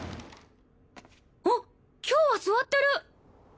あっ今日は座ってる！